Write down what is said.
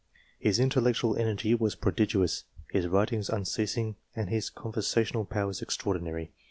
His intellectual energy was prodigious, his writing un . ceasing, and his conversational powers extraordinary.